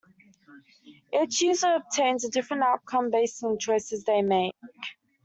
Each user obtains a different outcome based on the choices they make.